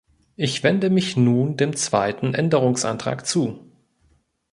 Ich wende mich nun dem zweiten Änderungsantrag zu.